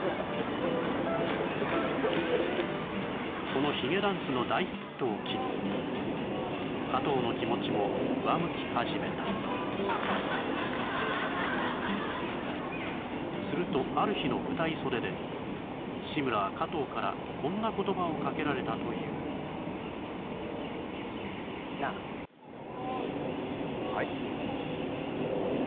このヒゲダンスの大ヒットを機に加藤の気持ちも上向き始めたするとある日の舞台袖で志村は加藤からこんな言葉をかけられたというなあはい？